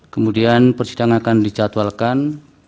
kemudian persidangan akan dicatwalkan